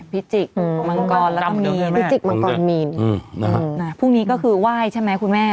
พิจิกมังกรแล้วก็มีนพิจิกมังกรมีนพรุ่งนี้ก็คือไหว้ใช่ไหมคุณแม่